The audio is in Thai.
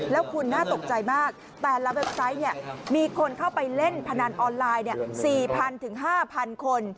แล้วคุณน่าตกใจมากแต่ละเว็บไซต์มีคนเข้าไปเล่นพนันออนไลน์๔๐๐๕๐๐คน